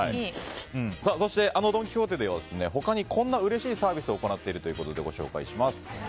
そしてあのドン・キホーテでは他にこんなうれしいサービスを行っているということでご紹介します。